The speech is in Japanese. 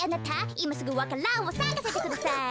いますぐわか蘭をさかせてください。